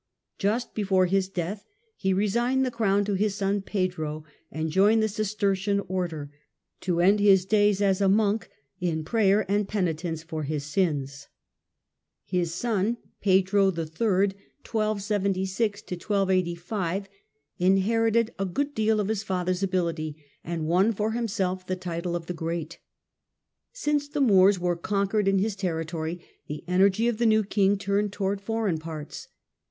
Just be fore his death, he resigned the Crown to his son Pedro, and joined the Cistercian Order, to end his days as a monk in prayer and penitence for his sins. 250 THE END OF THE MIDDLE AGE Pedro the His son Pedro in. inherited a good deal of his father's 1276 85 ability, and won for himself the title of the Great. Since the Moors were conquered in his territory, the energy of the new King turned towards foreign parts.